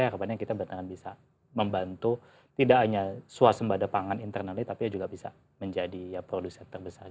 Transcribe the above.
harapannya kita benar benar bisa membantu tidak hanya suasana pada pangan internally tapi juga bisa menjadi ya produser terbesar